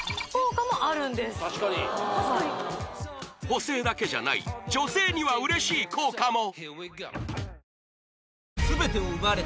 補整だけじゃない女性には嬉しい効果も！